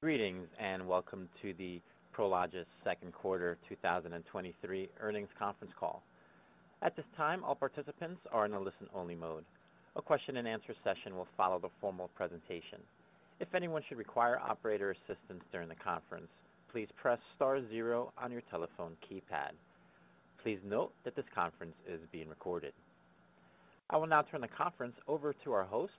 Greetings, and welcome to the Prologis second quarter 2023 earnings conference call. At this time, all participants are in a listen-only mode. A question and answer session will follow the formal presentation. If anyone should require operator assistance during the conference, please press star zero on your telephone keypad. Please note that this conference is being recorded. I will now turn the conference over to our host,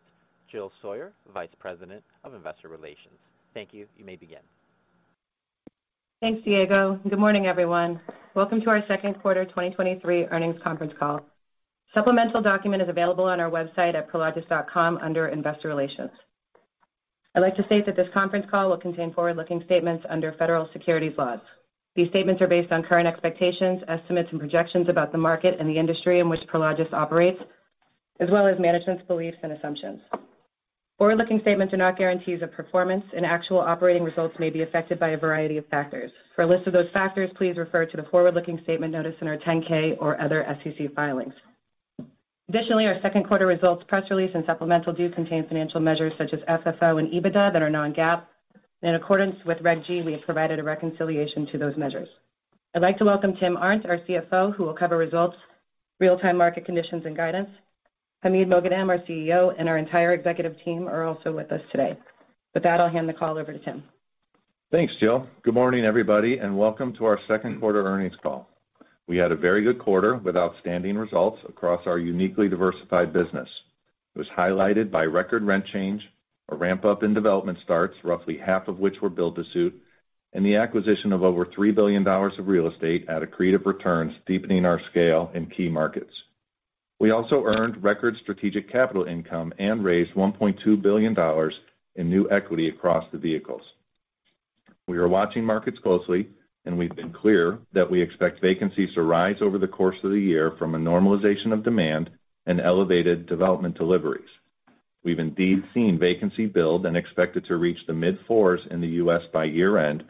Jill Sawyer, Vice President of Investor Relations. Thank you. You may begin. Thanks, Diego. Good morning, everyone. Welcome to our second quarter 2023 earnings conference call. Supplemental document is available on our website at prologis.com under Investor Relations. I'd like to state that this conference call will contain forward-looking statements under federal securities laws. These statements are based on current expectations, estimates, and projections about the market and the industry in which Prologis operates, as well as management's beliefs and assumptions. Forward-looking statements are not guarantees of performance, and actual operating results may be affected by a variety of factors. For a list of those factors, please refer to the forward-looking statement notice in our 10-K or other SEC filings. Additionally, our second quarter results, press release, and supplemental do contain financial measures such as FFO and EBITDA that are non-GAAP. In accordance with Reg G, we have provided a reconciliation to those measures. I'd like to welcome Tim Arndt, our CFO, who will cover results, real-time market conditions, and guidance. Hamid Moghadam, our CEO, and our entire executive team are also with us today. With that, I'll hand the call over to Tim. Thanks, Jill. Good morning, everybody, and welcome to our second quarter earnings call. We had a very good quarter with outstanding results across our uniquely diversified business. It was highlighted by record rent change, a ramp-up in development starts, roughly half of which were build-to-suit, and the acquisition of over $3 billion of real estate at accretive returns, deepening our scale in key markets. We also earned record strategic capital income and raised $1.2 billion in new equity across the vehicles. We are watching markets closely, and we've been clear that we expect vacancies to rise over the course of the year from a normalization of demand and elevated development deliveries. We've indeed seen vacancy build and expect it to reach the mid-4s in the U.S. by year-end,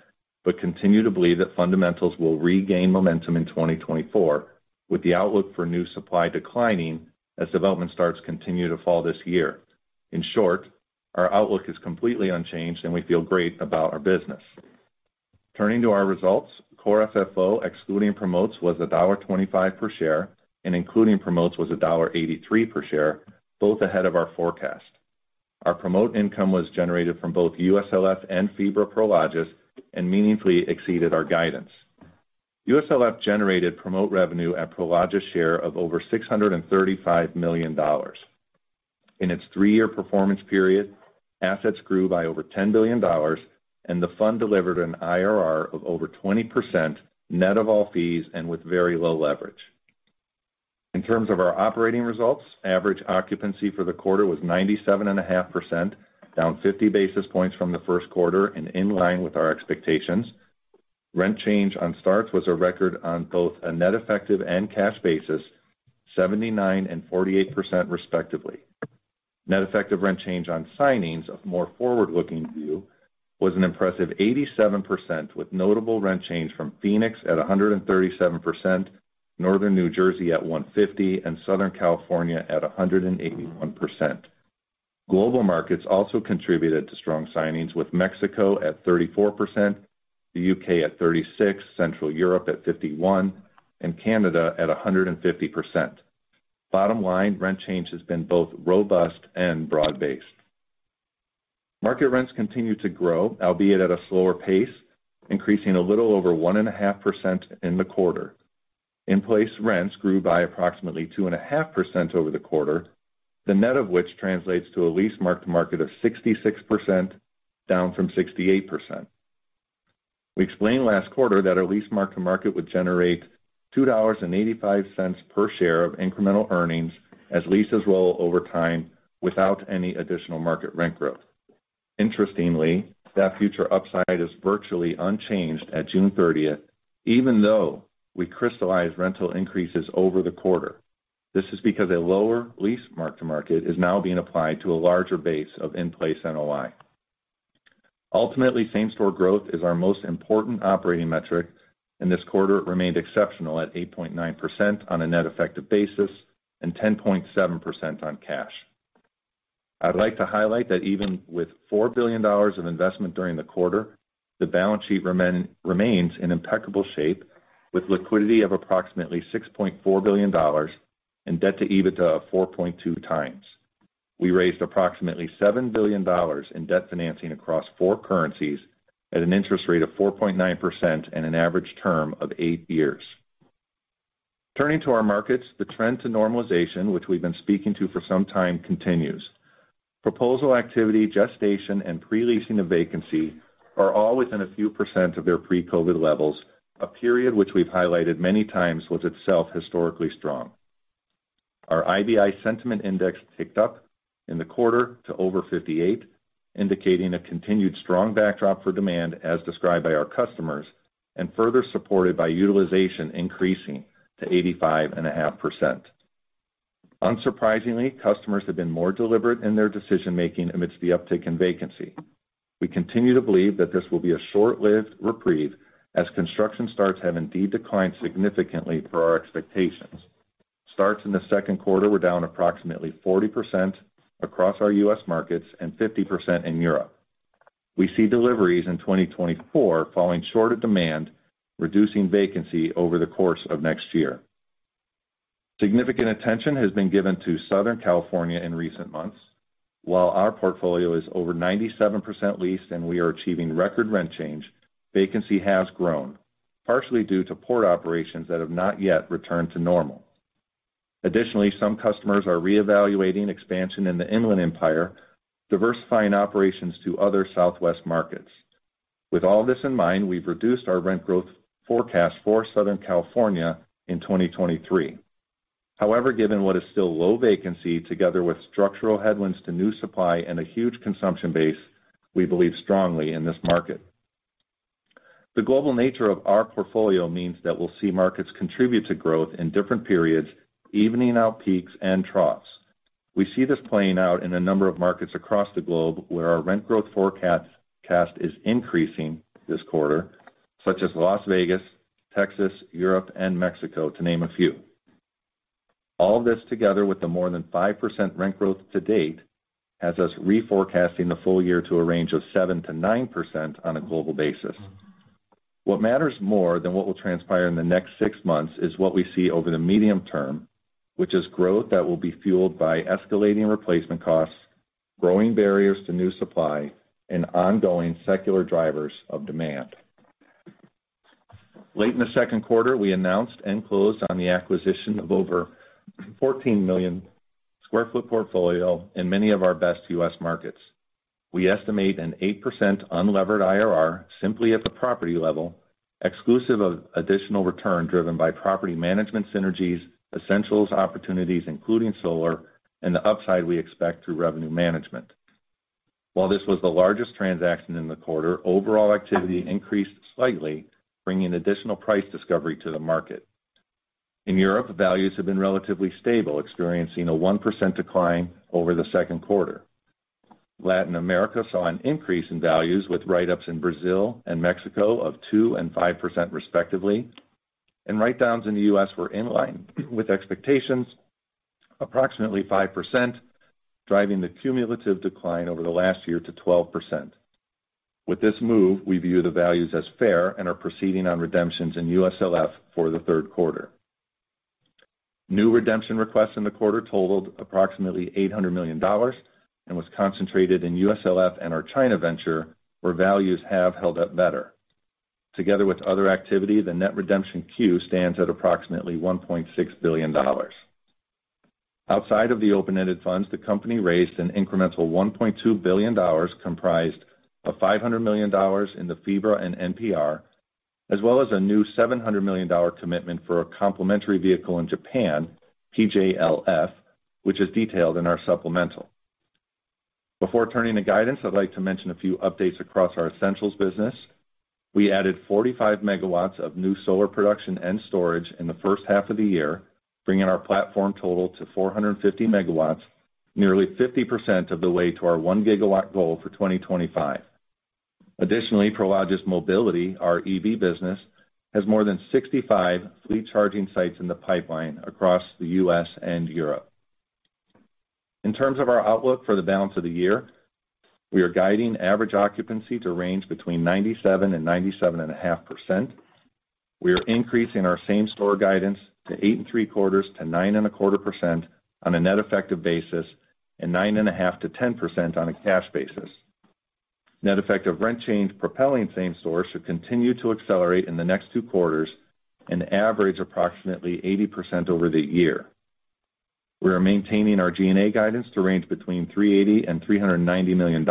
but continue to believe that fundamentals will regain momentum in 2024, with the outlook for new supply declining as development starts continue to fall this year. In short, our outlook is completely unchanged, and we feel great about our business. Turning to our results, Core FFO, excluding promotes, was $1.25 per share, and including promotes, was $1.83 per share, both ahead of our forecast. Our promote income was generated from both USLF and FIBRA Prologis and meaningfully exceeded our guidance. U.SLF generated promote revenue at Prologis' share of over $635 million. In its three-year performance period, assets grew by over $10 billion, and the fund delivered an IRR of over 20%, net of all fees and with very low leverage. In terms of our operating results, average occupancy for the quarter was 97.5%, down 50 basis points from the first quarter and in line with our expectations. Rent change on starts was a record on both a net effective and cash basis, 79% and 48%, respectively. Net effective rent change on signings of more forward-looking view was an impressive 87%, with notable rent change from Phoenix at 137%, Northern New Jersey at 150%, and Southern California at 181%. Global markets also contributed to strong signings, with Mexico at 34%, the UK at 36%, Central Europe at 51%, and Canada at 150%. Bottom line, rent change has been both robust and broad-based. Market rents continue to grow, albeit at a slower pace, increasing a little over 1.5% in the quarter. In-place rents grew by approximately 2.5% over the quarter, the net of which translates to a lease mark-to-market of 66%, down from 68%. We explained last quarter that our lease mark-to-market would generate $2.85 per share of incremental earnings as leases roll over time without any additional market rent growth. Interestingly, that future upside is virtually unchanged at June 30, even though we crystallized rental increases over the quarter. This is because a lower lease mark-to-market is now being applied to a larger base of in-place NOI. Ultimately, same-store growth is our most important operating metric, and this quarter, it remained exceptional at 8.9% on a net effective basis and 10.7% on cash. I'd like to highlight that even with $4 billion of investment during the quarter, the balance sheet remains in impeccable shape, with liquidity of approximately $6.4 billion and debt to EBITDA of 4.2 times. We raised approximately $7 billion in debt financing across four currencies at an interest rate of 4.9% and an average term of 8 years. Turning to our markets, the trend to normalization, which we've been speaking to for some time, continues. Proposal activity, gestation, and pre-leasing of vacancy are all within a few percent of their pre-COVID levels, a period which we've highlighted many times was itself historically strong. Our IBI sentiment index ticked up in the quarter to over 58, indicating a continued strong backdrop for demand as described by our customers and further supported by utilization increasing to 85.5%. Unsurprisingly, customers have been more deliberate in their decision-making amidst the uptick in vacancy. We continue to believe that this will be a short-lived reprieve as construction starts have indeed declined significantly per our expectations. Starts in the second quarter were down approximately 40% across our U.S. markets, and 50% in Europe. We see deliveries in 2024 falling short of demand, reducing vacancy over the course of next year. Significant attention has been given to Southern California in recent months. While our portfolio is over 97% leased and we are achieving record rent change, vacancy has grown, partially due to port operations that have not yet returned to normal. Additionally, some customers are reevaluating expansion in the Inland Empire, diversifying operations to other Southwest markets. With all this in mind, we've reduced our rent growth forecast for Southern California in 2023. However, given what is still low vacancy, together with structural headwinds to new supply and a huge consumption base, we believe strongly in this market. The global nature of our portfolio means that we'll see markets contribute to growth in different periods, evening out peaks and troughs. We see this playing out in a number of markets across the globe, where our rent growth forecast is increasing this quarter, such as Las Vegas, Texas, Europe, and Mexico, to name a few. All this together with the more than 5% rent growth to date, has us reforecasting the full year to a range of 7%-9% on a global basis. What matters more than what will transpire in the next six months is what we see over the medium term, which is growth that will be fueled by escalating replacement costs, growing barriers to new supply, and ongoing secular drivers of demand. Late in the second quarter, we announced and closed on the acquisition of over 14 million sq ft portfolio in many of our best U.S. markets. We estimate an 8% unlevered IRR simply at the property level, exclusive of additional return driven by property management synergies, essentials, opportunities, including solar, and the upside we expect through revenue management. While this was the largest transaction in the quarter, overall activity increased slightly, bringing additional price discovery to the market. In Europe, the values have been relatively stable, experiencing a 1% decline over the second quarter. Latin America saw an increase in values with write-ups in Brazil and Mexico of 2% and 5%, respectively, and write-downs in the U.S. were in line with expectations, approximately 5%, driving the cumulative decline over the last year to 12%. With this move, we view the values as fair and are proceeding on redemptions in U.S.LF for the third quarter. New redemption requests in the quarter totaled approximately $800 million and was concentrated in U.S.LF and our China venture, where values have held up better. Together with other activity, the net redemption queue stands at approximately $1.6 billion. Outside of the open-ended funds, the company raised an incremental $1.2 billion, comprised of $500 million in the FIBRA and NPR, as well as a new $700 million commitment for a complementary vehicle in Japan, PJLF, which is detailed in our supplemental. Before turning to guidance, I'd like to mention a few updates across our Essentials business. We added 45 megawatts of new solar production and storage in the first half of the year, bringing our platform total to 450 megawatts, nearly 50% of the way to our one gigawatt goal for 2025. Additionally, Prologis Mobility, our EV business, has more than 65 fleet charging sites in the pipeline across the U.S. and Europe. In terms of our outlook for the balance of the year, we are guiding average occupancy to range between 97% to 97.5%. We are increasing our same store guidance to 8.75% to 9.25% on a net effective basis, and 9.5% to 10% on a cash basis. Net effective rent change propelling same store should continue to accelerate in the next two quarters and average approximately 80% over the year. We are maintaining our G&A guidance to range between $380 and $390 million,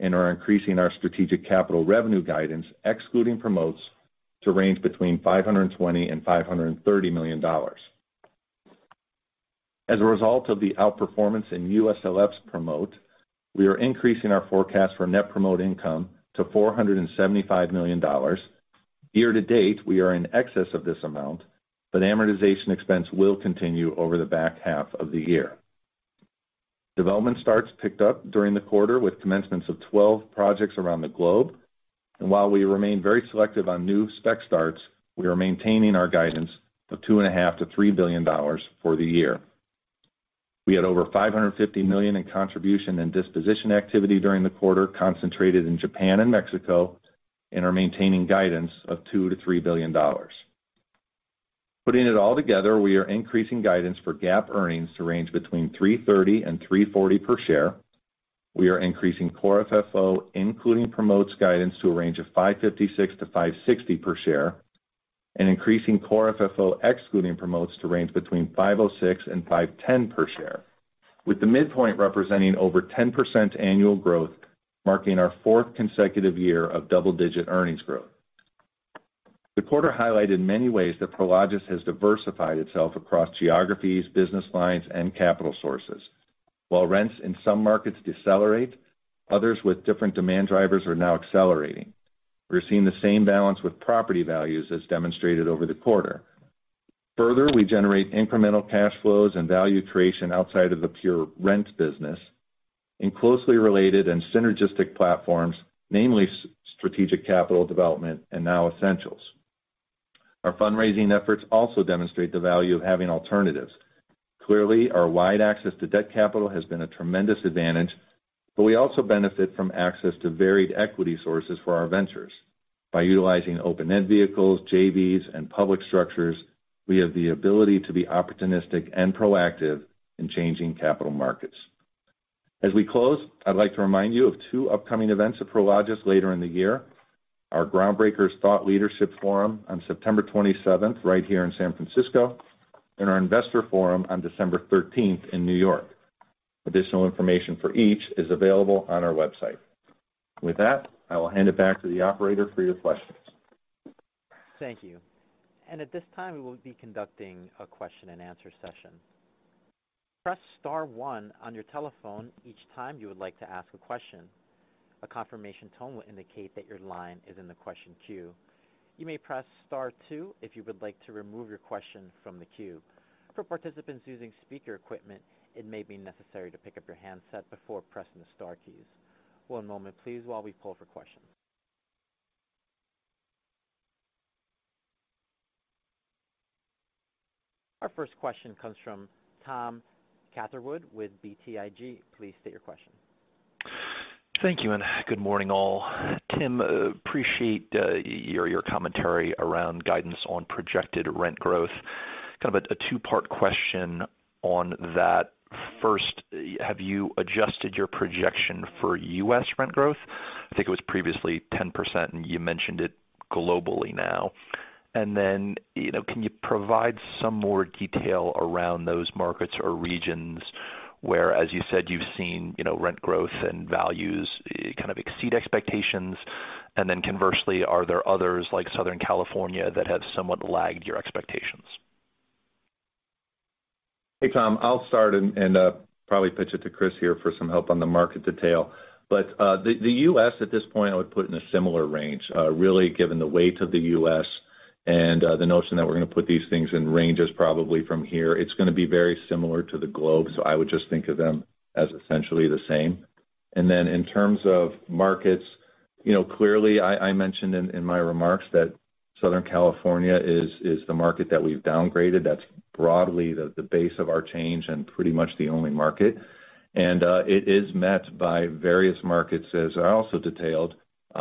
and are increasing our strategic capital revenue guidance, excluding promotes, to range between $520 million and $530 million. As a result of the outperformance in U.S.LF's promote, we are increasing our forecast for net promote income to $475 million. Year to date, we are in excess of this amount, but amortization expense will continue over the back half of the year. Development starts picked up during the quarter with commencements of 12 projects around the globe, and while we remain very selective on new spec starts, we are maintaining our guidance of $2.5 to $3 billion for the year. We had over $550 million in contribution and disposition activity during the quarter, concentrated in Japan and Mexico, and are maintaining guidance of $2 to $3 billion. Putting it all together, we are increasing guidance for GAAP earnings to range between $3.30 to $3.40 per share. We are increasing core FFO, including promotes guidance to a range of $5.56 to 5.60 per share, and increasing core FFO, excluding promotes to range between $5.06 and $5.10 per share, with the midpoint representing over 10% annual growth, marking our fourth consecutive year of double-digit earnings growth. The quarter highlighted many ways that Prologis has diversified itself across geographies, business lines, and capital sources. While rents in some markets decelerate, others with different demand drivers are now accelerating. We're seeing the same balance with property values as demonstrated over the quarter. Further, we generate incremental cash flows and value creation outside of the pure rent business... and closely related and synergistic platforms, namely, strategic capital development and now Essentials. Our fundraising efforts also demonstrate the value of having alternatives. Clearly, our wide access to debt capital has been a tremendous advantage, but we also benefit from access to varied equity sources for our ventures. By utilizing open-end vehicles, JVs, and public structures, we have the ability to be opportunistic and proactive in changing capital markets. As we close, I'd like to remind you of two upcoming events at Prologis later in the year: Our Groundbreakers Thought Leadership Forum on September 27th, right here in San Francisco, and our Investor Forum on December 13th in New York. Additional information for each is available on our website. With that, I will hand it back to the operator for your questions. Thank you. At this time, we will be conducting a question-and-answer session. Press star one on your telephone each time you would like to ask a question. A confirmation tone will indicate that your line is in the question queue. You may press star two if you would like to remove your question from the queue. For participants using speaker equipment, it may be necessary to pick up your handset before pressing the star keys. One moment, please, while we pull for questions. Our first question comes from Tom Catherwood with BTIG. Please state your question. Thank you, and good morning, all. Tim, appreciate your commentary around guidance on projected rent growth. Kind of a two-part question on that. First, have you adjusted your projection for U.S. rent growth? I think it was previously 10%, and you mentioned it globally now. And then, you know, can you provide some more detail around those markets or regions where, as you said, you've seen, you know, rent growth and values kind of exceed expectations? And then conversely, are there others, like Southern California, that have somewhat lagged your expectations? Hey, Tom, I'll start and probably pitch it to Chris here for some help on the market detail. But the U.S., at this point, I would put in a similar range, really given the weight of the U.S. and the notion that we're gonna put these things in ranges, probably from here. It's gonna be very similar to the globe, so I would just think of them as essentially the same. And then in terms of markets, you know, clearly, I mentioned in my remarks that Southern California is the market that we've downgraded. That's broadly the base of our change and pretty much the only market. It is met by various markets, as I also detailed,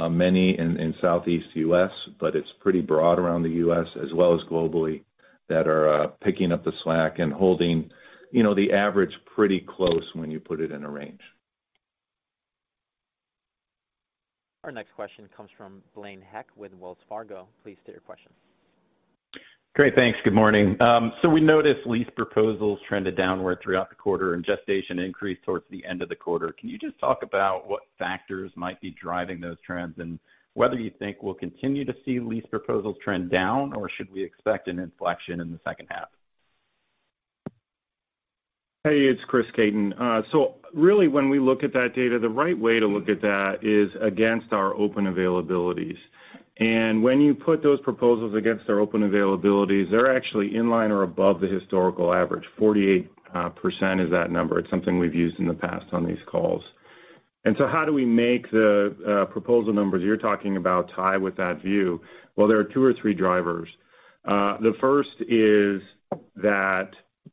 many in Southeast U.S., but it's pretty broad around the U.S. as well as globally, that are picking up the slack and holding, you know, the average pretty close when you put it in a range. Our next question comes from Blaine Heck with Wells Fargo. Please state your question. Great. Thanks. Good morning. So we noticed lease proposals trended downward throughout the quarter, and gestation increased towards the end of the quarter. Can you just talk about what factors might be driving those trends, and whether you think we'll continue to see lease proposals trend down, or should we expect an inflection in the second half? Hey, it's Chris Caton. So really, when we look at that data, the right way to look at that is against our open availabilities. And when you put those proposals against our open availabilities, they're actually in line or above the historical average. 48% is that number. It's something we've used in the past on these calls. And so how do we make the proposal numbers you're talking about tie with that view? Well, there are two or three drivers. The first is that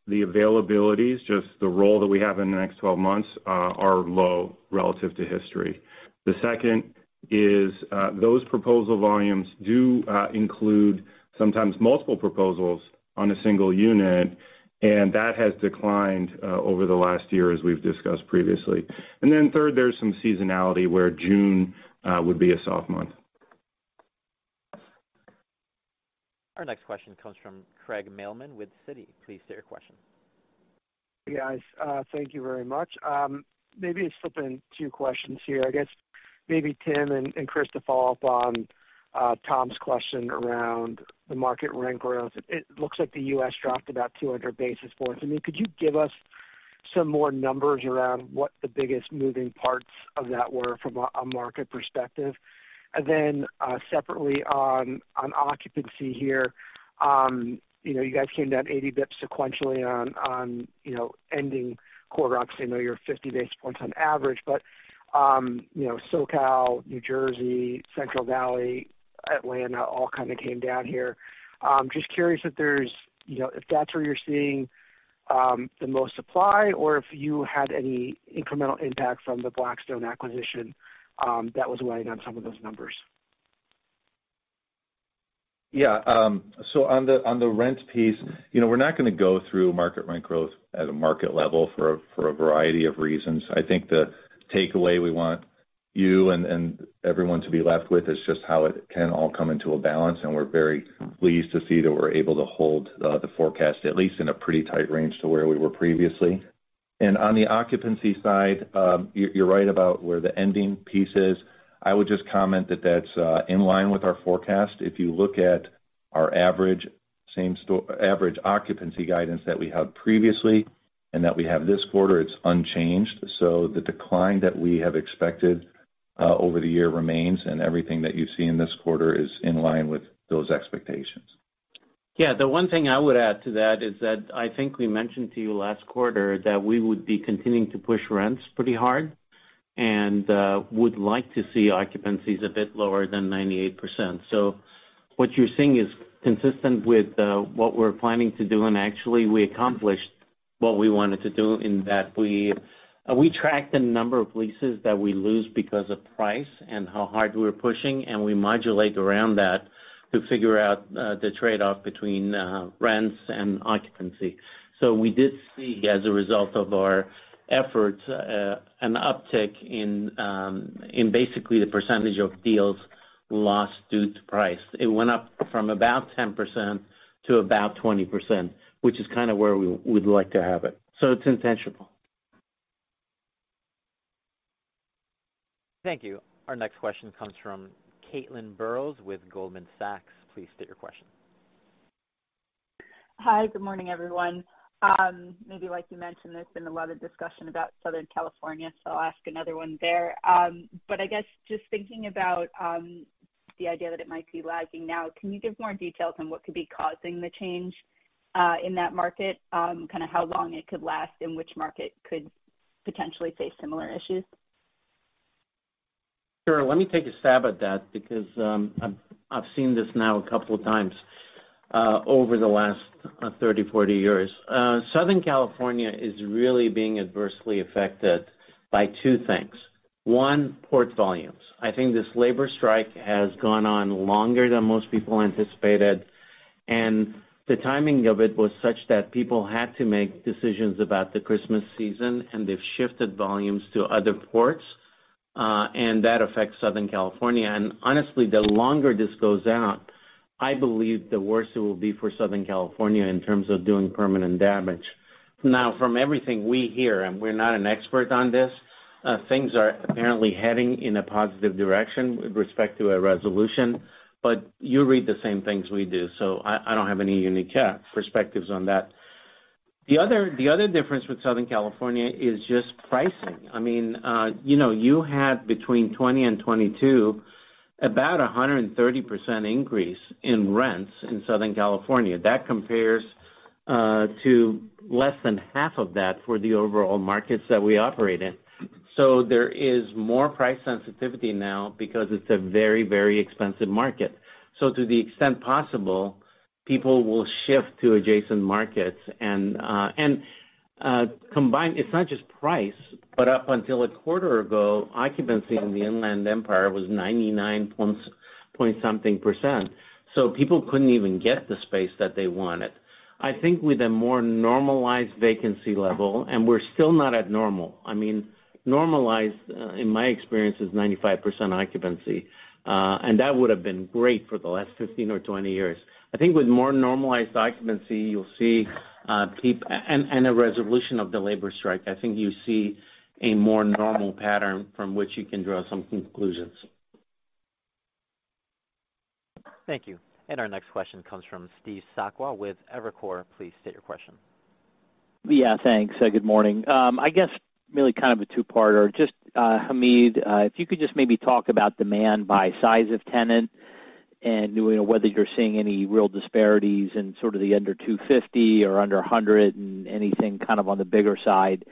the availabilities, just the role that we have in the next 12 months, are low relative to history. The second is, those proposal volumes do include sometimes multiple proposals on a single unit, and that has declined over the last year, as we've discussed previously. And then third, there's some seasonality, where June would be a soft month. Our next question comes from Craig Mailman with Citi. Please state your question. Guys, thank you very much. Maybe it's still been two questions here. I guess maybe Tim and, and Chris, to follow up on, Tom's question around the market rent growth. It looks like the U.S. dropped about 200 basis points. I mean, could you give us some more numbers around what the biggest moving parts of that were from a market perspective? And then, separately, on occupancy here, you know, you guys came down 80 basis points sequentially on, you know, ending quarter occupancy, I know you're 50 basis points on average, but, you know, SoCal, New Jersey, Central Valley, Atlanta, all kind of came down here. Just curious if there's, you know, if that's where you're seeing the most supply, or if you had any incremental impact from the Blackstone acquisition that was weighing on some of those numbers. Yeah, so on the, on the rent piece, you know, we're not gonna go through market rent growth at a market level for a, for a variety of reasons. I think the takeaway we want you and, and everyone to be left with is just how it can all come into a balance, and we're very pleased to see that we're able to hold the forecast, at least in a pretty tight range to where we were previously. On the occupancy side, you're, you're right about where the ending piece is. I would just comment that that's in line with our forecast. If you look at our average same-store average occupancy guidance that we had previously and that we have this quarter, it's unchanged. The decline that we have expected over the year remains, and everything that you see in this quarter is in line with those expectations.... Yeah, the one thing I would add to that is that I think we mentioned to you last quarter that we would be continuing to push rents pretty hard, and would like to see occupancies a bit lower than 98%. So what you're seeing is consistent with what we're planning to do, and actually, we accomplished what we wanted to do in that we track the number of leases that we lose because of price and how hard we're pushing, and we modulate around that to figure out the trade-off between rents and occupancy. So we did see, as a result of our efforts, an uptick in basically the percentage of deals lost due to price. It went up from about 10% to about 20%, which is kind of where we would like to have it, so it's intentional. Thank you. Our next question comes from Caitlin Burrows with Goldman Sachs. Please state your question. Hi, good morning, everyone. Maybe like you mentioned, there's been a lot of discussion about Southern California, so I'll ask another one there. But I guess just thinking about the idea that it might be lagging now, can you give more details on what could be causing the change, in that market? Kind of how long it could last, and which market could potentially face similar issues? Sure. Let me take a stab at that because, I've seen this now a couple of times, over the last 30, 40 years. Southern California is really being adversely affected by two things. One, port volumes. I think this labor strike has gone on longer than most people anticipated, and the timing of it was such that people had to make decisions about the Christmas season, and they've shifted volumes to other ports, and that affects Southern California. And honestly, the longer this goes on, I believe the worse it will be for Southern California in terms of doing permanent damage. Now, from everything we hear, and we're not an expert on this, things are apparently heading in a positive direction with respect to a resolution, but you read the same things we do, so I, I don't have any unique perspectives on that. The other, the other difference with Southern California is just pricing. I mean, you know, you had between 2020 and 2022, about a 130% increase in rents in Southern California. That compares to less than half of that for the overall markets that we operate in. So there is more price sensitivity now because it's a very, very expensive market. So to the extent possible, people will shift to adjacent markets and combine—It's not just price, but up until a quarter ago, occupancy in the Inland Empire was 99 point something%, so people couldn't even get the space that they wanted. I think with a more normalized vacancy level, and we're still not at normal. I mean, normalized, in my experience, is 95% occupancy, and that would have been great for the last 15 or 20 years. I think with more normalized occupancy, you'll see, and a resolution of the labor strike, I think you see a more normal pattern from which you can draw some conclusions. Thank you. Our next question comes from Steve Sakwa with Evercore. Please state your question. Yeah, thanks. Good morning. I guess really kind of a two-parter. Just, Hamid, if you could just maybe talk about demand by size of tenant and, you know, whether you're seeing any real disparities in sort of the under 250 or under 100, and anything kind of on the bigger side.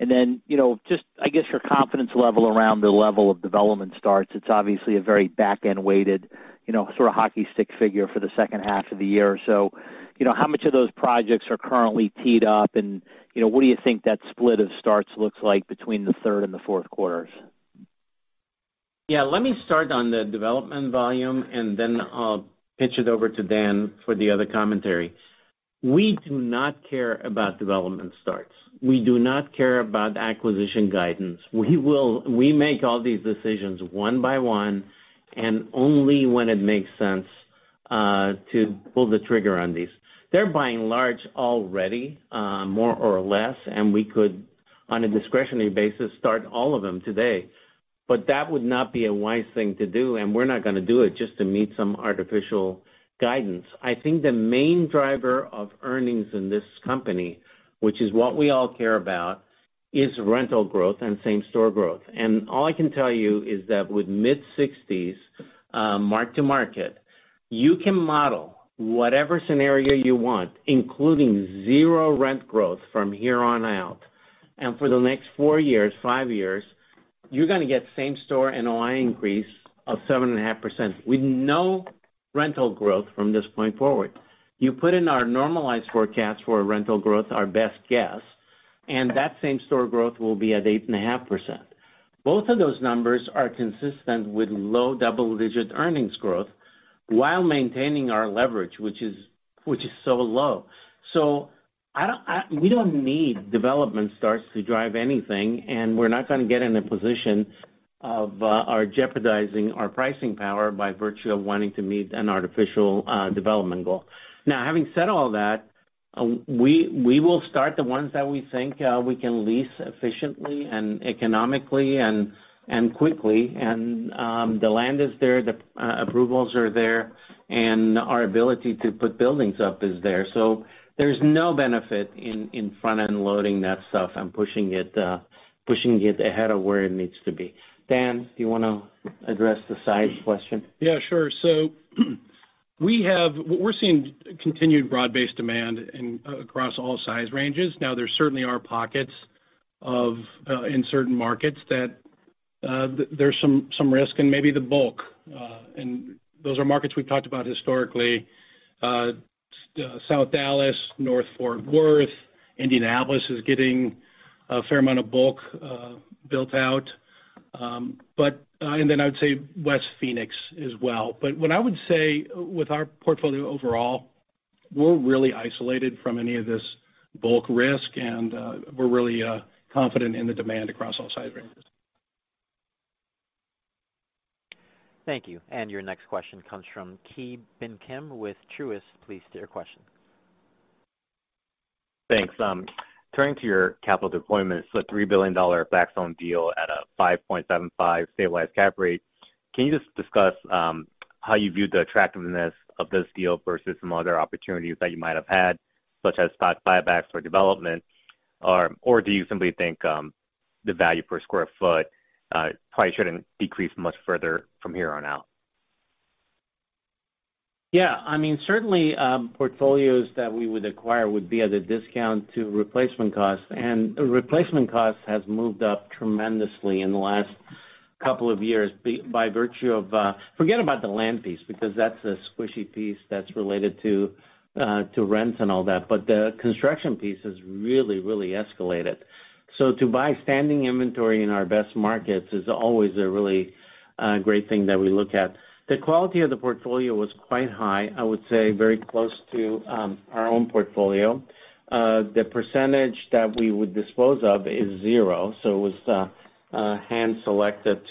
And then, you know, just I guess, your confidence level around the level of development starts. It's obviously a very back-end weighted, you know, sort of hockey stick figure for the second half of the year. So, you know, how much of those projects are currently teed up? And, you know, what do you think that split of starts looks like between the third and the fourth quarters? Yeah, let me start on the development volume, and then I'll pitch it over to Dan for the other commentary. We do not care about development starts. We do not care about acquisition guidance. We make all these decisions one by one, and only when it makes sense to pull the trigger on these. They're buying large already, more or less, and we could, on a discretionary basis, start all of them today. But that would not be a wise thing to do, and we're not gonna do it just to meet some artificial guidance. I think the main driver of earnings in this company, which is what we all care about, is rental growth and same-store growth. All I can tell you is that with mid-60s mark-to-market, you can model whatever scenario you want, including zero rent growth from here on out. For the next four years, five years, you're gonna get same-store NOI increase of 7.5%, with no rental growth from this point forward. You put in our normalized forecast for rental growth, our best guess, and that same-store growth will be at 8.5%. Both of those numbers are consistent with low double-digit earnings growth while maintaining our leverage, which is so low. So we don't need development starts to drive anything, and we're not gonna get in a position of or jeopardizing our pricing power by virtue of wanting to meet an artificial development goal. Now, having said all that, we will start the ones that we think we can lease efficiently and economically and quickly, and the land is there, the approvals are there, and our ability to put buildings up is there. So there's no benefit in front-end loading that stuff and pushing it ahead of where it needs to be. Dan, do you wanna address the size question? Yeah, sure. So we have-- We're seeing continued broad-based demand in, across all size ranges. Now, there certainly are pockets-... of in certain markets that there's some risk and maybe the bulk and those are markets we've talked about historically. South Dallas, North Fort Worth, Indianapolis is getting a fair amount of bulk built out. But and then I would say West Phoenix as well. But what I would say with our portfolio overall, we're really isolated from any of this bulk risk, and we're really confident in the demand across all sizes. Thank you. Your next question comes from Ki Bin Kim with Truist. Please state your question. Thanks. Turning to your capital deployment, so a $3 billion Blackstone deal at a 5.75 stabilized cap rate, can you just discuss how you view the attractiveness of this deal versus some other opportunities that you might have had, such as stock buybacks or development? Or do you simply think the value per square foot probably shouldn't decrease much further from here on out? Yeah. I mean, certainly, portfolios that we would acquire would be at a discount to replacement costs, and replacement costs has moved up tremendously in the last couple of years by virtue of... Forget about the land piece, because that's a squishy piece that's related to rents and all that, but the construction piece has really, really escalated. So to buy standing inventory in our best markets is always a really great thing that we look at. The quality of the portfolio was quite high, I would say very close to our own portfolio. The percentage that we would dispose of is zero, so it was hand-selected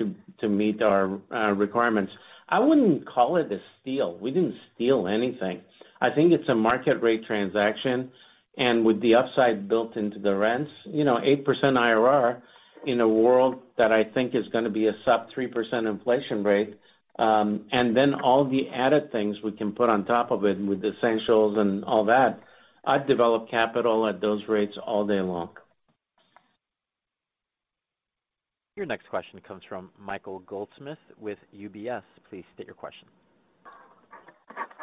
to meet our requirements. I wouldn't call it a steal. We didn't steal anything. I think it's a market rate transaction, and with the upside built into the rents, you know, 8% IRR in a world that I think is gonna be a sub 3% inflation rate, and then all the added things we can put on top of it with essentials and all that, I'd develop capital at those rates all day long. Your next question comes from Michael Goldsmith with UBS. Please state your question.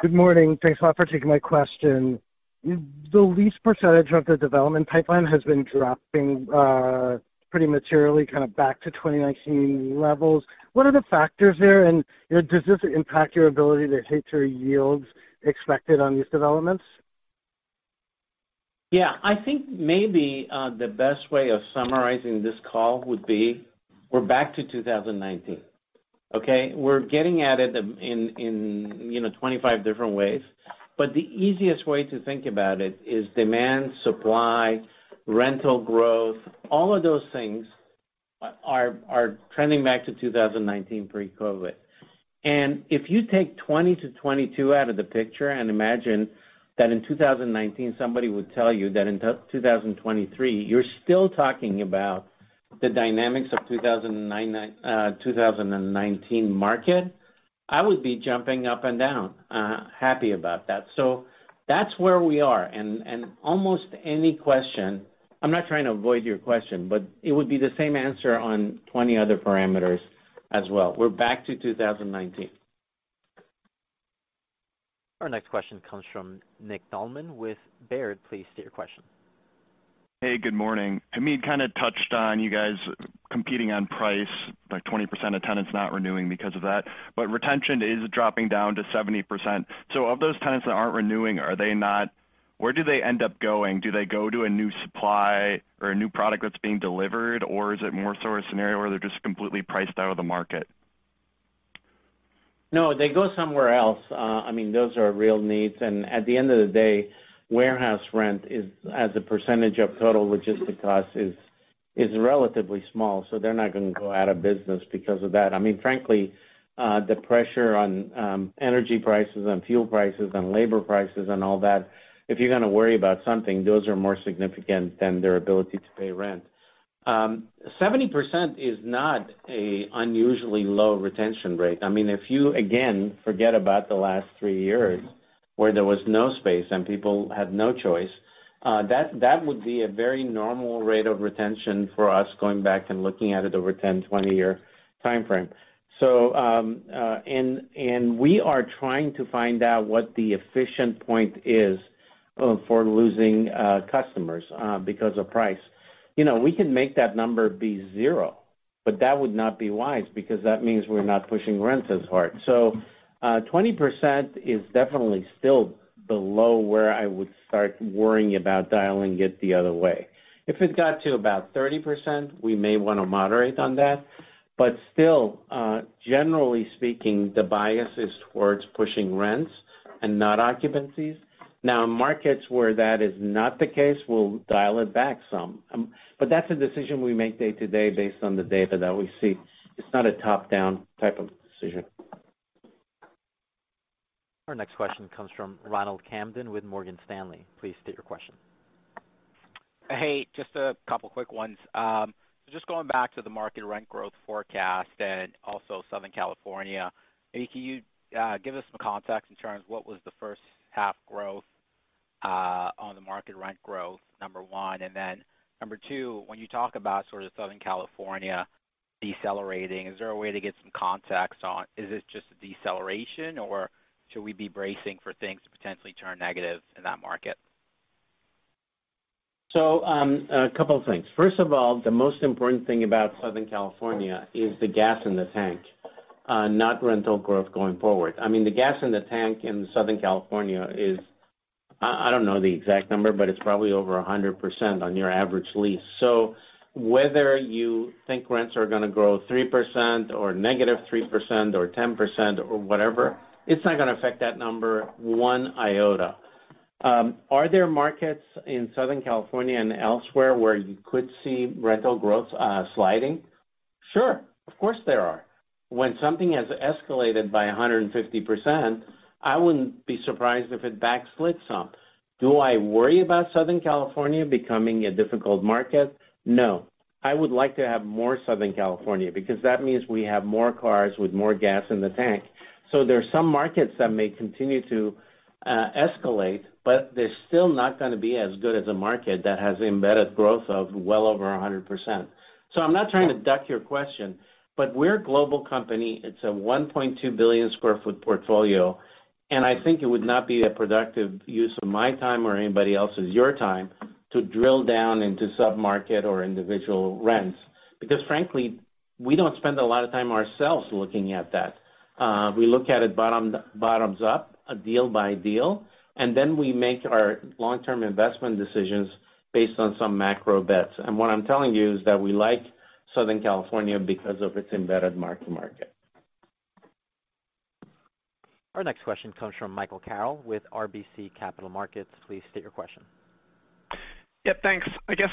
Good morning. Thanks a lot for taking my question. The lease percentage of the development pipeline has been dropping, pretty materially, kind of back to 2019 levels. What are the factors there? And, you know, does this impact your ability to hit your yields expected on these developments? Yeah. I think maybe, the best way of summarizing this call would be, we're back to 2019, okay? We're getting at it in, you know, 25 different ways, but the easiest way to think about it is demand, supply, rental growth, all of those things are trending back to 2019 pre-COVID. And if you take 2020 to 2022 out of the picture and imagine that in 2019, somebody would tell you that in 2023, you're still talking about the dynamics of two thousand and nine, two thousand and nineteen market, I would be jumping up and down, happy about that. So that's where we are. And almost any question, I'm not trying to avoid your question, but it would be the same answer on 20 other parameters as well. We're back to 2019. Our next question comes from Nick Thillman with Baird. Please state your question. Hey, good morning. Hamid kind of touched on you guys competing on price, like 20% of tenants not renewing because of that, but retention is dropping down to 70%. So of those tenants that aren't renewing, are they not—Where do they end up going? Do they go to a new supply or a new product that's being delivered, or is it more so a scenario where they're just completely priced out of the market? No, they go somewhere else. I mean, those are real needs, and at the end of the day, warehouse rent is, as a percentage of total logistic costs, is relatively small, so they're not gonna go out of business because of that. I mean, frankly, the pressure on energy prices and fuel prices and labor prices and all that, if you're gonna worry about something, those are more significant than their ability to pay rent. 70% is not an unusually low retention rate. I mean, if you, again, forget about the last three years where there was no space and people had no choice, that would be a very normal rate of retention for us, going back and looking at it over a 10-20-year timeframe. So, we are trying to find out what the efficient point is for losing customers because of price. You know, we can make that number be zero, but that would not be wise because that means we're not pushing rents as hard. So, 20% is definitely still below where I would start worrying about dialing it the other way. If it got to about 30%, we may want to moderate on that, but still, generally speaking, the bias is towards pushing rents and not occupancies. Now, markets where that is not the case, we'll dial it back some. But that's a decision we make day-to-day based on the data that we see. It's not a top-down type of decision. Our next question comes from Ronald Kamden with Morgan Stanley. Please state your question. Hey, just a couple quick ones. Just going back to the market rent growth forecast and also Southern California, can you give us some context in terms of what was the first half growth on the market rent growth, number one? And then, number two, when you talk about sort of Southern California,... decelerating. Is there a way to get some context on, is this just a deceleration, or should we be bracing for things to potentially turn negative in that market? So, a couple of things. First of all, the most important thing about Southern California is the gas in the tank, not rental growth going forward. I mean, the gas in the tank in Southern California is, I don't know the exact number, but it's probably over 100% on your average lease. So whether you think rents are gonna grow 3% or -3% or 10% or whatever, it's not gonna affect that number one iota. Are there markets in Southern California and elsewhere where you could see rental growth sliding? Sure, of course, there are. When something has escalated by 150%, I wouldn't be surprised if it backslid some. Do I worry about Southern California becoming a difficult market? No. I would like to have more Southern California, because that means we have more cars with more gas in the tank. So there are some markets that may continue to escalate, but they're still not gonna be as good as a market that has embedded growth of well over 100%. So I'm not trying to duck your question, but we're a global company. It's a 1.2 billion sq ft portfolio, and I think it would not be a productive use of my time or anybody else's, your time, to drill down into sub-market or individual rents. Because frankly, we don't spend a lot of time ourselves looking at that. We look at it bottoms up, deal by deal, and then we make our long-term investment decisions based on some macro bets. What I'm telling you is that we like Southern California because of its embedded mark-to-market. Our next question comes from Michael Carroll with RBC Capital Markets. Please state your question. Yep, thanks. I guess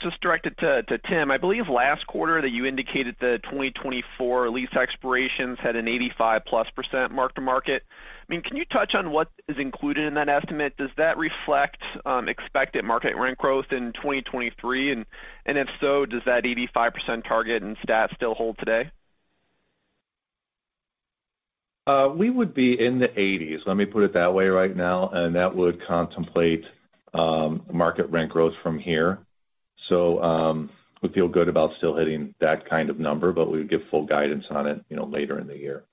just directed to Tim. I believe last quarter that you indicated that 2024 lease expirations had an 85%+ mark-to-market. I mean, can you touch on what is included in that estimate? Does that reflect expected market rent growth in 2023? And if so, does that 85% target and stat still hold today? We would be in the 80s, let me put it that way right now, and that would contemplate market rent growth from here. So, we feel good about still hitting that kind of number, but we would give full guidance on it, you know, later in the year.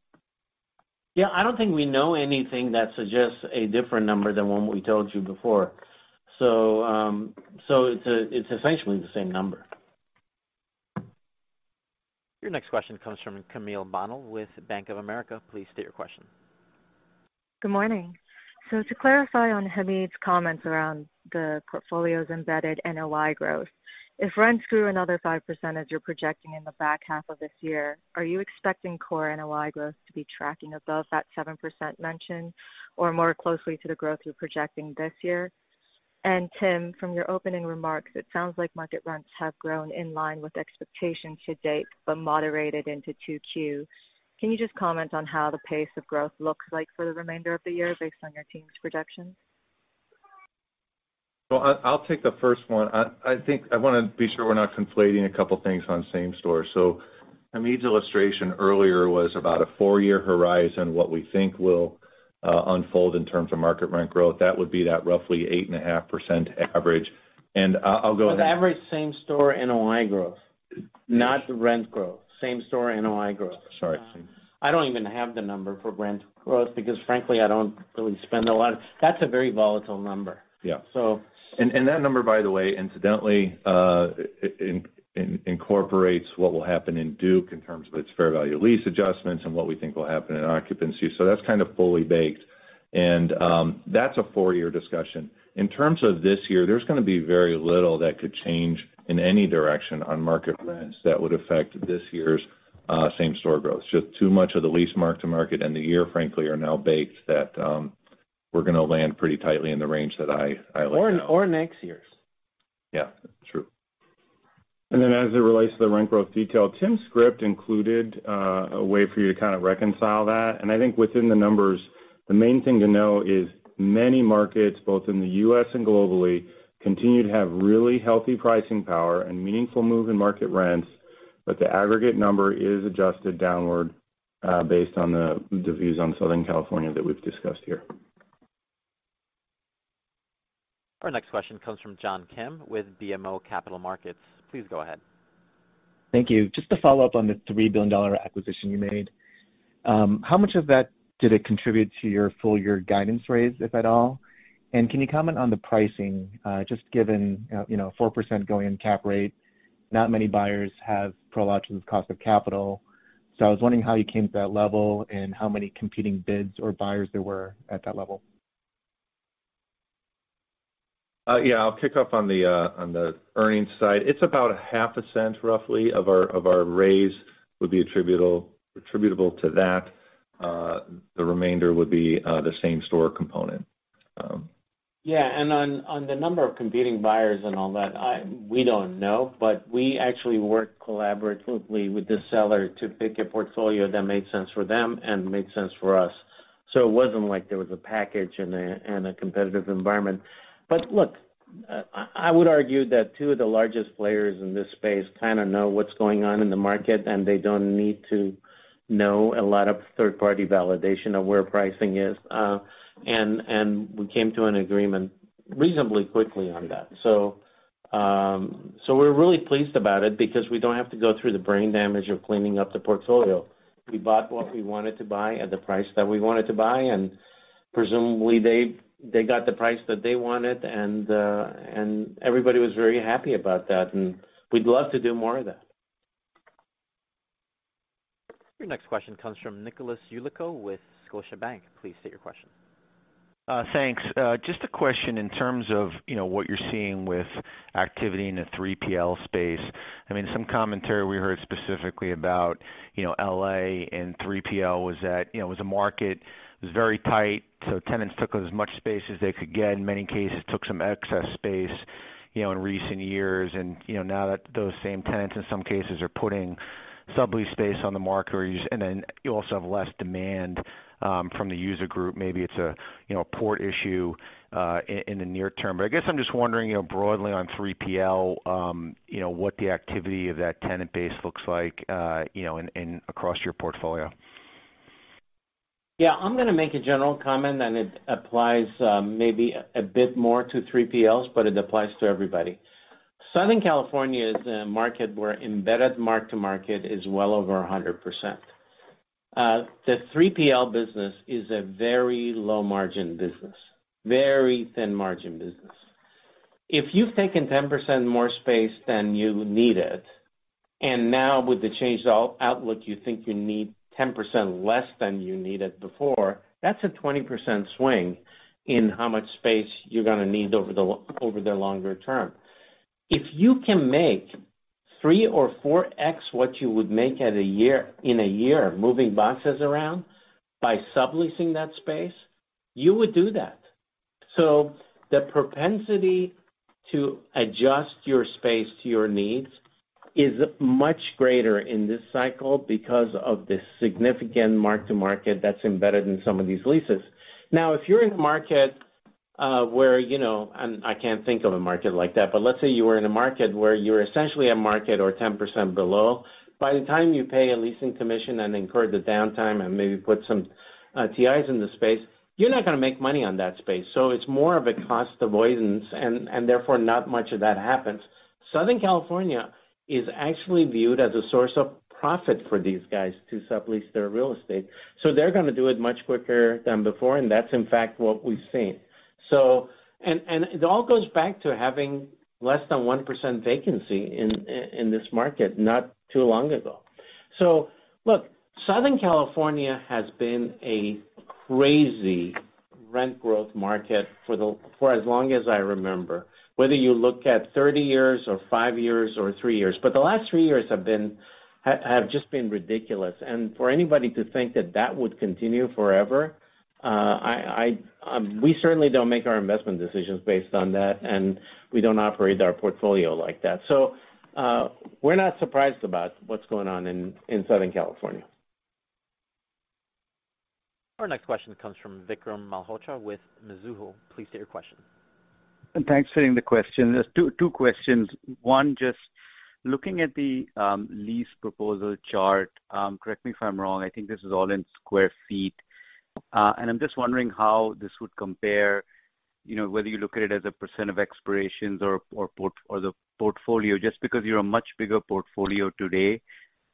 Yeah, I don't think we know anything that suggests a different number than what we told you before. So, it's essentially the same number. Your next question comes from Camille Bonnell with Bank of America. Please state your question. Good morning. So to clarify on Hamid's comments around the portfolio's embedded NOI growth, if rents grew another 5%, as you're projecting in the back half of this year, are you expecting core NOI growth to be tracking above that 7% mentioned or more closely to the growth you're projecting this year? And Tim, from your opening remarks, it sounds like market rents have grown in line with expectations to date, but moderated into Q2. Can you just comment on how the pace of growth looks like for the remainder of the year based on your team's projections? Well, I'll take the first one. I think I wanna be sure we're not conflating a couple things on same store. So Hamid's illustration earlier was about a four-year horizon, what we think will unfold in terms of market rent growth. That would be that roughly 8.5% average. And I'll go- Average same-store NOI growth, not the rent growth. Same-store NOI growth. Sorry. I don't even have the number for rent growth because frankly, I don't really spend a lot... That's a very volatile number. Yeah. So- That number, by the way, incidentally, incorporates what will happen in Duke in terms of its fair value lease adjustments and what we think will happen in occupancy. So that's kind of fully baked, and that's a four-year discussion. In terms of this year, there's gonna be very little that could change in any direction on market rents that would affect this year's same-store growth. Just too much of the lease mark-to-market and the year, frankly, are now baked that we're gonna land pretty tightly in the range that I laid out. Or next year's. Yeah, true. And then, as it relates to the rent growth detail, Tim's script included a way for you to kind of reconcile that. And I think within the numbers, the main thing to know is many markets, both in the U.S. and globally, continue to have really healthy pricing power and meaningful move in market rents, but the aggregate number is adjusted downward based on the views on Southern California that we've discussed here. Our next question comes from John Kim with BMO Capital Markets. Please go ahead. Thank you. Just to follow up on the $3 billion acquisition you made, how much of that did it contribute to your full year guidance raise, if at all? And can you comment on the pricing? Just given, you know, 4% going Cap Rate, not many buyers have Prologis to the cost of capital. So I was wondering how you came to that level and how many competing bids or buyers there were at that level. Yeah, I'll pick up on the earnings side. It's about $0.005, roughly, of our raise would be attributable to that. The remainder would be the same store component. Yeah, and on the number of competing buyers and all that, we don't know, but we actually worked collaboratively with the seller to pick a portfolio that made sense for them and made sense for us. So it wasn't like there was a package and a competitive environment. But look, I would argue that two of the largest players in this space kind of know what's going on in the market, and they don't need to know a lot of third-party validation of where pricing is. And we came to an agreement reasonably quickly on that. So we're really pleased about it because we don't have to go through the brain damage of cleaning up the portfolio. We bought what we wanted to buy at the price that we wanted to buy, and presumably they, they got the price that they wanted, and and everybody was very happy about that, and we'd love to do more of that. Your next question comes from Nicholas Yulico with Scotiabank. Please state your question. Thanks. Just a question in terms of, you know, what you're seeing with activity in the 3PL space. I mean, some commentary we heard specifically about, you know, LA and 3PL was that, you know, it was a market, it was very tight, so tenants took as much space as they could get, in many cases, took some excess space, you know, in recent years. And, you know, now that those same tenants, in some cases, are putting sublease space on the market, and then you also have less demand, from the user group. Maybe it's a, you know, a port issue, in the near term. But I guess I'm just wondering, you know, broadly on 3PL, you know, what the activity of that tenant base looks like, you know, across your portfolio. Yeah. I'm gonna make a general comment, and it applies, maybe a bit more to 3PLs, but it applies to everybody. Southern California is a market where embedded mark-to-market is well over 100%. The 3PL business is a very low-margin business, very thin-margin business. If you've taken 10% more space than you needed, and now with the changed outlook, you think you need 10% less than you needed before, that's a 20% swing in how much space you're gonna need over the, over the longer term. If you can make 3x or 4x what you would make in a year, moving boxes around by subleasing that space, you would do that. So the propensity to adjust your space to your needs is much greater in this cycle because of the significant mark-to-market that's embedded in some of these leases. Now, if you're in a market where, you know... I can't think of a market like that, but let's say you were in a market where you're essentially at market or 10% below. By the time you pay a leasing commission and incur the downtime and maybe put some TIs in the space, you're not gonna make money on that space. So it's more of a cost avoidance, and therefore, not much of that happens. Southern California is actually viewed as a source of profit for these guys to sublease their real estate, so they're gonna do it much quicker than before, and that's in fact what we've seen. So it all goes back to having less than 1% vacancy in this market not too long ago. So look, Southern California has been a crazy rent growth market for as long as I remember, whether you look at 30 years or 5 years or 3 years. But the last 3 years have been just been ridiculous. And for anybody to think that that would continue forever, we certainly don't make our investment decisions based on that, and we don't operate our portfolio like that. So, we're not surprised about what's going on in Southern California. Our next question comes from Vikram Malhotra with Mizuho. Please state your question. Thanks for taking the question. There's two questions. One, just looking at the lease proposal chart, correct me if I'm wrong, I think this is all in square feet. And I'm just wondering how this would compare, you know, whether you look at it as a percent of expirations or the portfolio, just because you're a much bigger portfolio today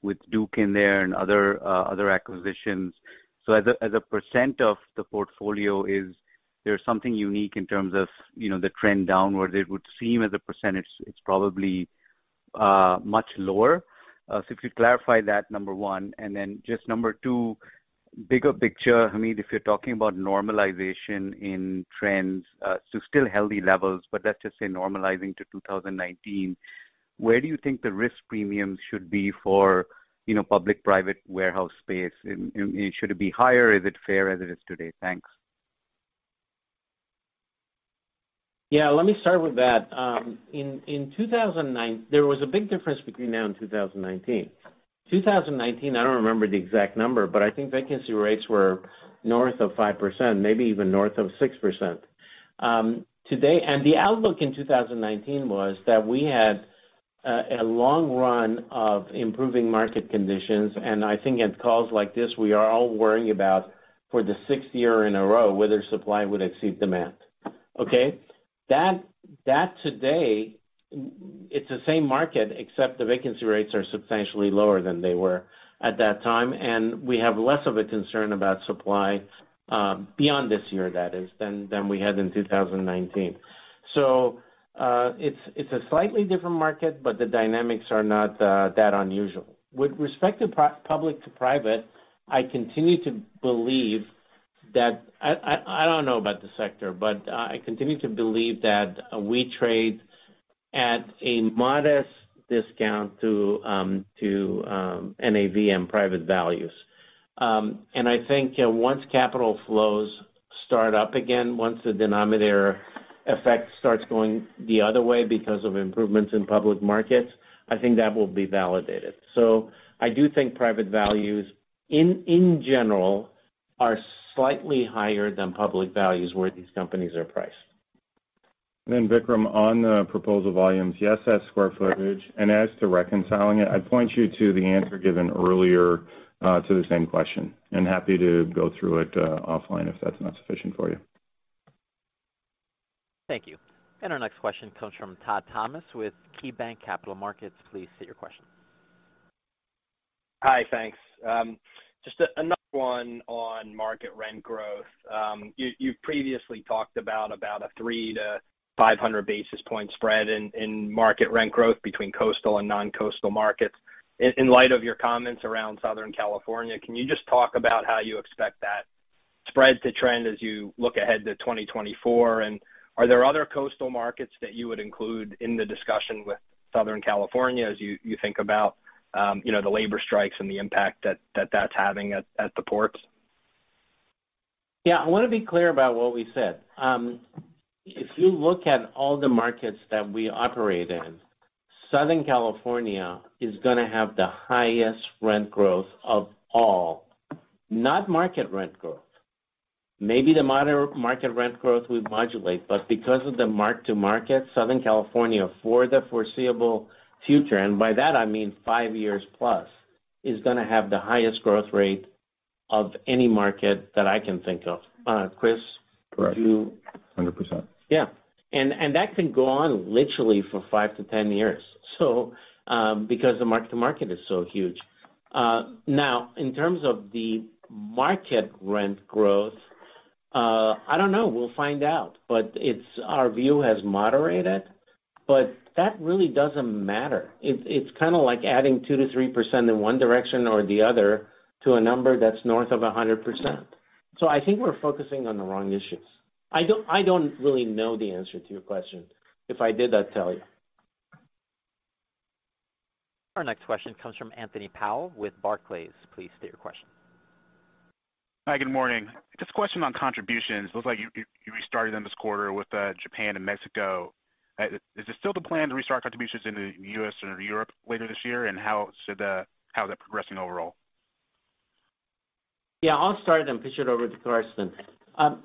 with Duke in there and other acquisitions. So as a percent of the portfolio, is there something unique in terms of, you know, the trend downward? It would seem as a percentage, it's probably much lower. So if you clarify that, number one, and then just number two, bigger picture, Hamid, if you're talking about normalization in trends, so still healthy levels, but let's just say normalizing to 2019, where do you think the risk premium should be for, you know, public-private warehouse space? And should it be higher, or is it fair as it is today? Thanks. Yeah, let me start with that. In 2009, there was a big difference between now and 2019. 2019, I don't remember the exact number, but I think vacancy rates were north of 5%, maybe even north of 6%. Today, and the outlook in 2019 was that we had a long run of improving market conditions, and I think at calls like this, we are all worrying about for the sixth year in a row, whether supply would exceed demand. Okay? That today, it's the same market, except the vacancy rates are substantially lower than they were at that time, and we have less of a concern about supply, beyond this year, that is, than we had in 2019. So, it's a slightly different market, but the dynamics are not that unusual. With respect to public to private, I continue to believe that. I don't know about the sector, but I continue to believe that we trade at a modest discount to NAV and private values. And I think, once capital flows start up again, once the denominator effect starts going the other way because of improvements in public markets, I think that will be validated. So I do think private values in general are slightly higher than public values, where these companies are priced.... Then Vikram, on the proposal volumes, yes, that's square footage. As to reconciling it, I'd point you to the answer given earlier, to the same question, and happy to go through it, offline, if that's not sufficient for you. Thank you. Our next question comes from Todd Thomas with KeyBanc Capital Markets. Please state your question. Hi, thanks. Just another one on market rent growth. You've previously talked about a 300 to 500 basis point spread in market rent growth between coastal and non-coastal markets. In light of your comments around Southern California, can you just talk about how you expect that spread to trend as you look ahead to 2024? And are there other coastal markets that you would include in the discussion with Southern California, as you think about, you know, the labor strikes and the impact that's having at the ports? Yeah, I want to be clear about what we said. If you look at all the markets that we operate in, Southern California is gonna have the highest rent growth of all, not market rent growth. Maybe the market rent growth will modulate, but because of the mark-to-market, Southern California, for the foreseeable future, and by that I mean 5 years+, is gonna have the highest growth rate of any market that I can think of. Chris? Correct. Would you- Hundred percent. Yeah. And, and that can go on literally for 5 to 10 years. So, because the mark-to-market is so huge. Now, in terms of the market rent growth, I don't know, we'll find out. But it's our view has moderated, but that really doesn't matter. It, it's kind of like adding 2% to 3% in one direction or the other to a number that's north of 100%. So I think we're focusing on the wrong issues. I don't, I don't really know the answer to your question. If I did, I'd tell you. Our next question comes from Anthony Powell with Barclays. Please state your question. Hi, good morning. Just a question on contributions. It looks like you restarted them this quarter with Japan and Mexico. Is it still the plan to restart contributions in the U.S. and Europe later this year? And how is that progressing overall? Yeah, I'll start and pitch it over to Carsten.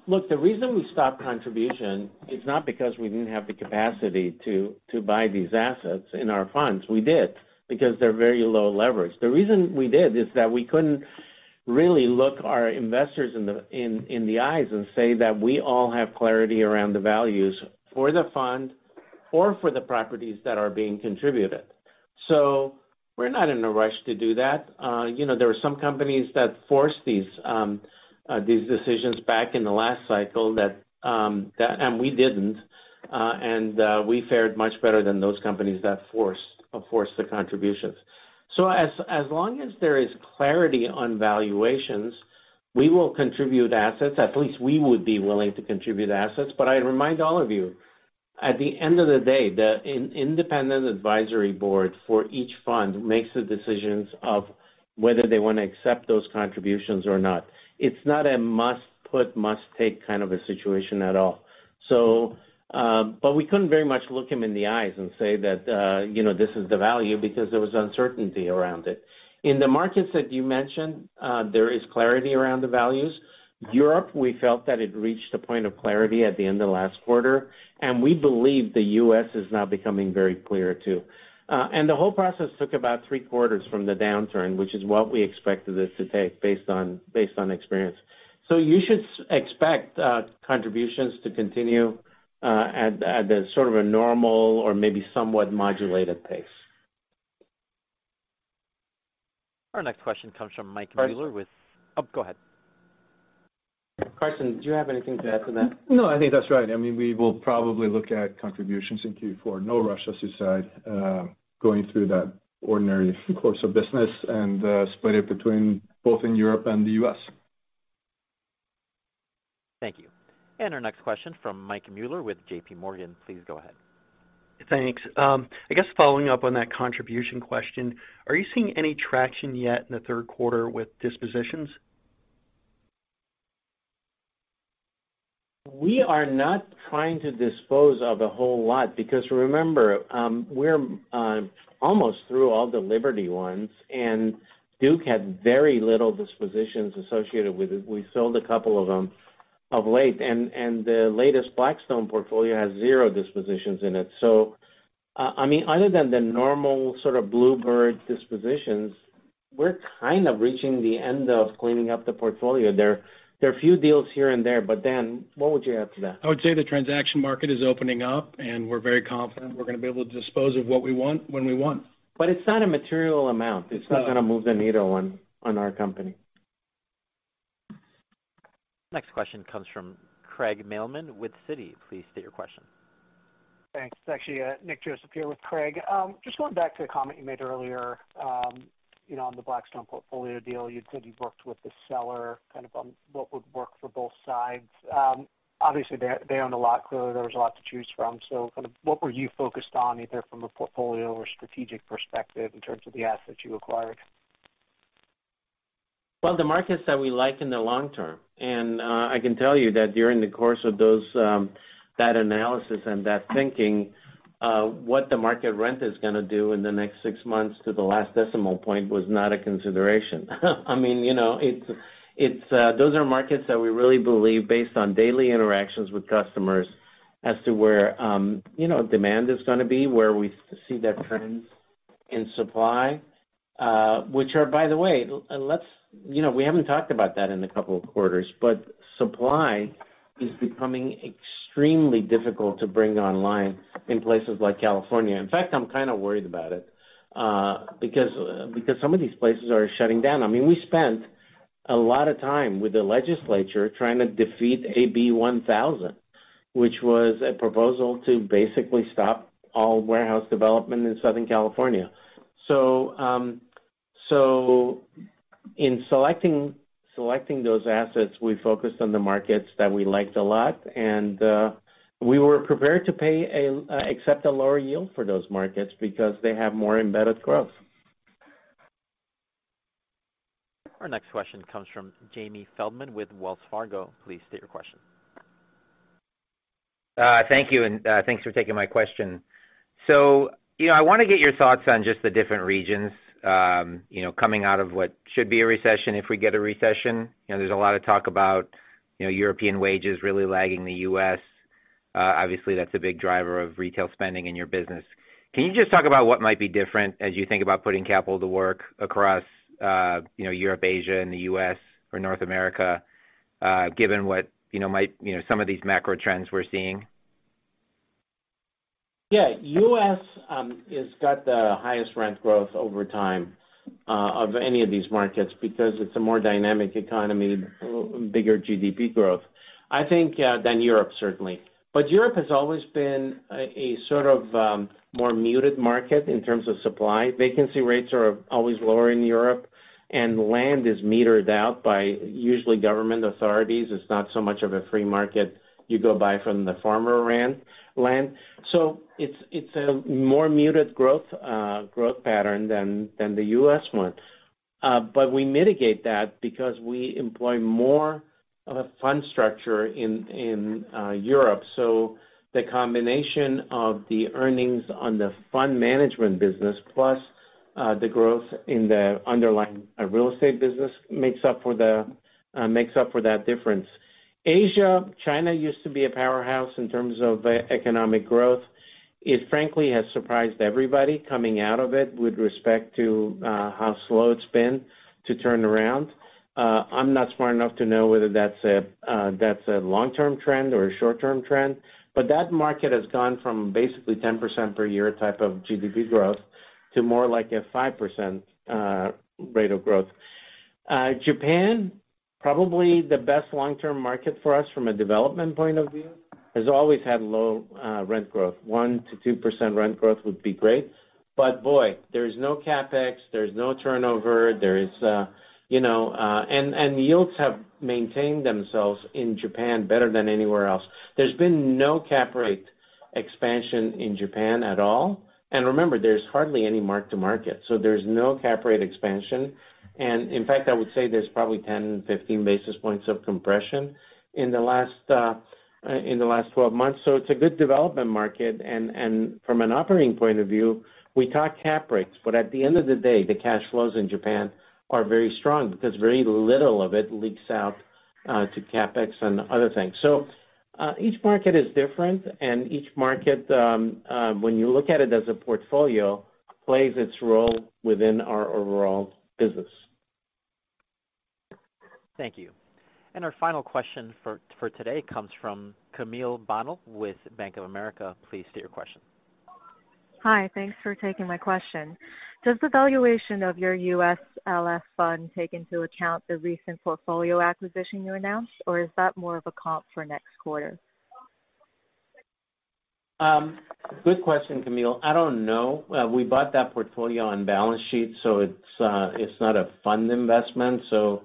Look, the reason we stopped contribution is not because we didn't have the capacity to buy these assets in our funds. We did, because they're very low leverage. The reason we did is that we couldn't really look our investors in the eyes and say that we all have clarity around the values for the fund or for the properties that are being contributed. So we're not in a rush to do that. You know, there are some companies that force these decisions back in the last cycle that and we didn't and we fared much better than those companies that forced the contributions. So as long as there is clarity on valuations, we will contribute assets. At least we would be willing to contribute assets. But I remind all of you, at the end of the day, the independent advisory board for each fund makes the decisions of whether they want to accept those contributions or not. It's not a must put, must take kind of a situation at all. But we couldn't very much look them in the eyes and say that, you know, this is the value because there was uncertainty around it. In the markets that you mentioned, there is clarity around the values. Europe, we felt that it reached a point of clarity at the end of last quarter, and we believe the U.S. is now becoming very clear, too. And the whole process took about three quarters from the downturn, which is what we expected this to take, based on experience. You should expect contributions to continue at a sort of a normal or maybe somewhat modulated pace. Our next question comes from Mike Mueller- Carsten. With... Oh, go ahead. Carsten, do you have anything to add to that? No, I think that's right. I mean, we will probably look at contributions in Q4. No rush, as you said, going through that ordinary course of business and split it between both in Europe and the U.S. Thank you. Our next question from Mike Mueller with JPMorgan. Please go ahead. Thanks. I guess following up on that contribution question, are you seeing any traction yet in the third quarter with dispositions? We are not trying to dispose of a whole lot, because remember, we're almost through all the Liberty ones, and Duke had very little dispositions associated with it. We sold a couple of them of late, and the latest Blackstone portfolio has zero dispositions in it. So, I mean, other than the normal sort of bluebird dispositions, we're kind of reaching the end of cleaning up the portfolio. There are few deals here and there, but Dan, what would you add to that? I would say the transaction market is opening up, and we're very confident we're gonna be able to dispose of what we want, when we want. It's not a material amount. No. It's not going to move the needle on our company. Next question comes from Craig Mailman with Citi. Please state your question. Thanks. It's actually Nick Joseph here with Craig. Just going back to a comment you made earlier, you know, on the Blackstone portfolio deal. You said you worked with the seller kind of on what would work for both sides. Obviously, they owned a lot; clearly there was a lot to choose from. So kind of what were you focused on, either from a portfolio or strategic perspective, in terms of the assets you acquired? Well, the markets that we like in the long term, and I can tell you that during the course of those, that analysis and that thinking, what the market rent is gonna do in the next 6 months to the last decimal point, was not a consideration. I mean, you know, it's, it's, those are markets that we really believe, based on daily interactions with customers, as to where, you know, demand is gonna be, where we see their trends in supply, which are, by the way, you know, we haven't talked about that in a couple of quarters, but supply is becoming extremely difficult to bring online in places like California. In fact, I'm kind of worried about it, because some of these places are shutting down. I mean, we spent a lot of time with the legislature trying to defeat AB 1000, which was a proposal to basically stop all warehouse development in Southern California. So, so in selecting those assets, we focused on the markets that we liked a lot, and, we were prepared to pay a, accept a lower yield for those markets because they have more embedded growth. Our next question comes from Jamie Feldman with Wells Fargo. Please state your question. Thank you, and thanks for taking my question. So, you know, I want to get your thoughts on just the different regions, you know, coming out of what should be a recession, if we get a recession. You know, there's a lot of talk about, you know, European wages really lagging the U.S.. Obviously, that's a big driver of retail spending in your business. Can you just talk about what might be different as you think about putting capital to work across, you know, Europe, Asia and the U.S. or North America, given what, you know, might, you know, some of these macro trends we're seeing? Yeah. U.S. has got the highest rent growth over time of any of these markets because it's a more dynamic economy, bigger GDP growth. I think than Europe, certainly. But Europe has always been a sort of more muted market in terms of supply. Vacancy rates are always lower in Europe, and land is metered out by usually government authorities. It's not so much of a free market. You go buy from the farmer land. So it's a more muted growth pattern than the U.S. one. But we mitigate that because we employ more of a fund structure in Europe. So the combination of the earnings on the fund management business, plus the growth in the underlying real estate business, makes up for that difference. Asia, China used to be a powerhouse in terms of economic growth. It, frankly, has surprised everybody coming out of it with respect to how slow it's been to turn around. I'm not smart enough to know whether that's a long-term trend or a short-term trend, but that market has gone from basically 10% per year type of GDP growth to more like a 5% rate of growth. Japan, probably the best long-term market for us from a development point of view, has always had low rent growth. 1% to 2% rent growth would be great, but boy, there's no CapEx, there's no turnover, there is you know... And yields have maintained themselves in Japan better than anywhere else. There's been no cap rate expansion in Japan at all. And remember, there's hardly any mark to market, so there's no cap rate expansion. And in fact, I would say there's probably 10, 15 basis points of compression in the last, in the last 12 months. So it's a good development market. And from an operating point of view, we talk cap rates, but at the end of the day, the cash flows in Japan are very strong because very little of it leaks out to CapEx and other things. So each market is different, and each market, when you look at it as a portfolio, plays its role within our overall business. Thank you. Our final question for today comes from Camille Bonnel with Bank of America. Please state your question. Hi, thanks for taking my question. Does the valuation of your U.S.LF fund take into account the recent portfolio acquisition you announced, or is that more of a comp for next quarter? Good question, Camille. I don't know. We bought that portfolio on balance sheet, so it's, it's not a fund investment, so,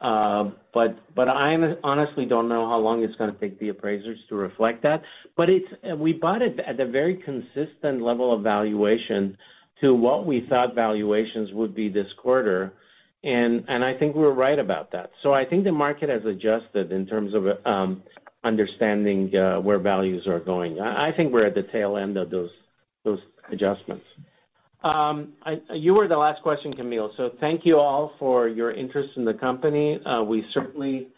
but I honestly don't know how long it's gonna take the appraisers to reflect that. But it's. We bought it at a very consistent level of valuation to what we thought valuations would be this quarter, and I think we're right about that. So I think the market has adjusted in terms of, understanding, where values are going. I think we're at the tail end of those adjustments. You were the last question, Camille, so thank you all for your interest in the company. We certainly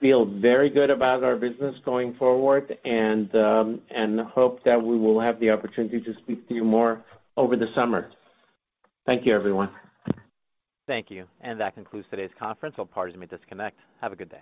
feel very good about our business going forward and hope that we will have the opportunity to speak to you more over the summer. Thank you, everyone. Thank you. That concludes today's conference. All parties may disconnect. Have a good day.